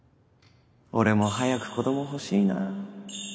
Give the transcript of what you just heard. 俺も早く子供欲しいな